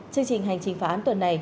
chương trình hành trình phá án tuần này